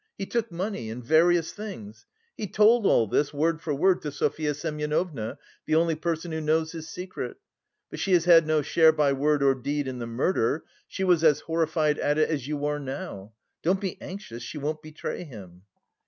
He took money and various things.... He told all this, word for word, to Sofya Semyonovna, the only person who knows his secret. But she has had no share by word or deed in the murder; she was as horrified at it as you are now. Don't be anxious, she won't betray him."